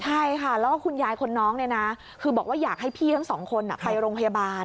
ใช่ค่ะแล้วก็คุณยายคนน้องเนี่ยนะคือบอกว่าอยากให้พี่ทั้งสองคนไปโรงพยาบาล